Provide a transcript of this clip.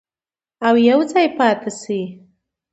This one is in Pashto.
او یوځای پاتې شي.